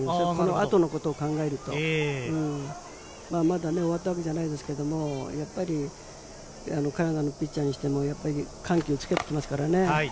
あとのことを考えると、まだ終わったわけじゃないですけど、やはりカナダのピッチャーにしても緩急をつけてきますからね。